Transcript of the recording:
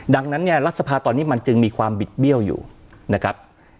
ดังนั้นเนี่ยรัฐสภาตอนนี้มันจึงมีความบิดเบี้ยวอยู่นะครับ